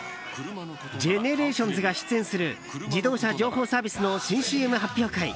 ＧＥＮＥＲＡＴＩＯＮＳが出演する自動車情報サービスの新ＣＭ発表会。